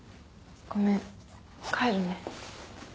ごめん帰るね。